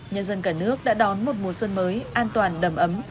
nhân dân cả nước đã đón một mùa xuân mới an toàn đầm ấm